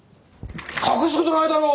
隠すことないだろう！